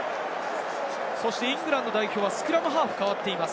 イングランド代表はスクラムハーフが変わっています。